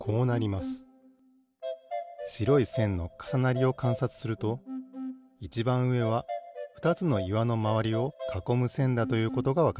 しろいせんのかさなりをかんさつするといちばんうえはふたつのいわのまわりをかこむせんだということがわかります。